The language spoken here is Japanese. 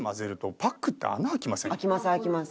あきますあきます。